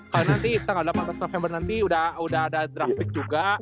kalo nanti kita gak dapet empat november nanti udah ada draft pick juga